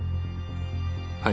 はい。